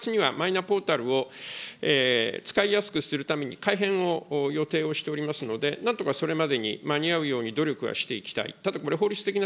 １２月には、マイナポータルを使いやすくするために改変を予定をしておりますので、なんとかそれまでに間に合うように努力はしていきたい。